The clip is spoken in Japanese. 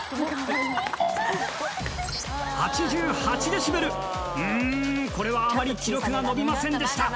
デシベルうんこれはあまり記録が伸びませんでした